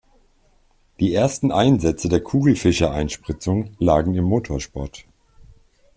Die ersten Einsätze der Kugelfischer-Einspritzung lagen im Motorsport.